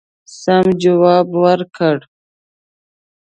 سم جواب ورکړ.